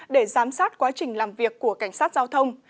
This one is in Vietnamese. để giám sát quá trình làm việc của cảnh sát giao thông